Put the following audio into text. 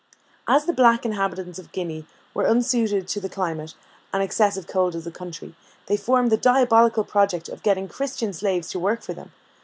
As the black inhabitants of Guinea were unsuited to the climate and excessive cold of the country, they formed the diabolical project of getting Christian slaves to work for them.